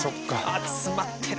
詰まってる！